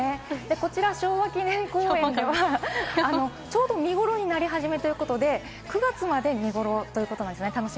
こちら昭和記念公園では、ちょうど見頃になり始めということで、９月まで見頃ということなんですね。